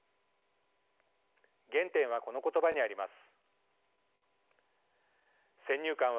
原点はこの言葉にあります。